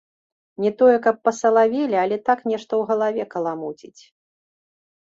Не тое каб пасалавелі, але так нешта ў галаве каламуціць.